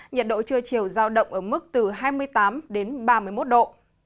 nhiệt độ trưa chiều giao động ở mức từ hai mươi tám đến ba mươi một độ